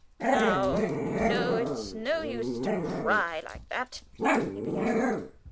"Now, you know, it's no use to cry like that," he began.